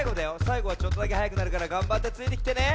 さいごはちょっとだけはやくなるからがんばってついてきてね。